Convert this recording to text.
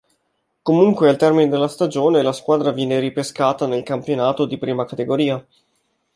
Comunque al termine della stagione la squadra viene ripescata nel campionato di I Categoria.